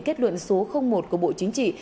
kết luận số một của bộ chính trị